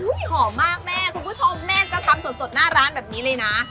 หอมมากแม่คุณผู้ชมแม่จะทำสดหน้าร้านแบบนี้เลยนะ